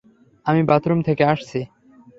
আমি বাথরুম থেকে আসছি।